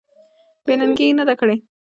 بې ننګي یې نه ده کړې.